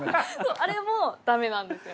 あれもダメなんですよ。